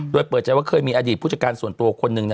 โดยเปิดใจว่าเคยมีอดีตผู้จัดการส่วนตัวคนหนึ่ง